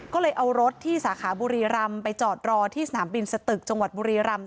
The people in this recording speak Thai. ก็เลยเอารถที่สาขาบุรีรำไปจอดรอที่สนามบินสตึกจังหวัดบุรีรำ